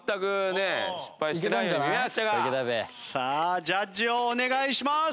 さあジャッジをお願いします。